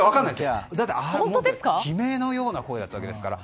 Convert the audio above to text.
悲鳴のような声だったわけですから。